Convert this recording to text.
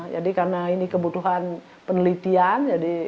jadi karena ini kebutuhan penelitian